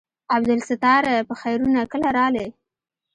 عبدالستاره په خيرونه کله رالې.